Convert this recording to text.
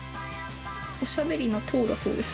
「おしゃべりな糖」だそうです。